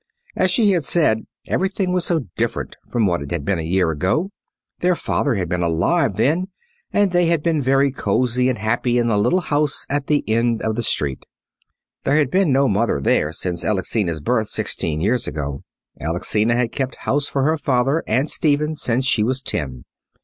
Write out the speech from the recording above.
As she had said, everything was so different from what it had been a year ago. Their father had been alive then and they had been very cosy and happy in the little house at the end of the street. There had been no mother there since Alexina's birth sixteen years ago. Alexina had kept house for her father and Stephen since she was ten.